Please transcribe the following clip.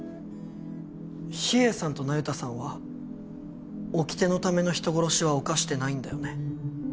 秘影さんと那由他さんはおきてのための人殺しは犯してないんだよね？